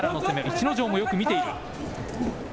逸ノ城もよく見ている。